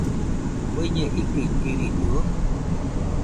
¿Bueñe ikɨikɨridɨo?